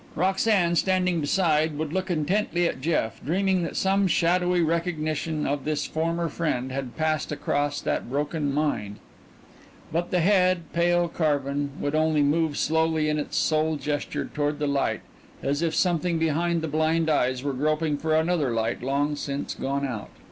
Roxanne, standing beside, would look intently at Jeff, dreaming that some shadowy recognition of this former friend had passed across that broken mind but the head, pale, carven, would only move slowly in its sole gesture toward the light as if something behind the blind eyes were groping for another light long since gone out.